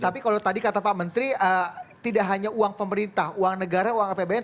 tapi kalau tadi kata pak menteri tidak hanya uang pemerintah uang negara uang apbn